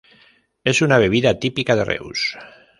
Es una bebida típica de Reus.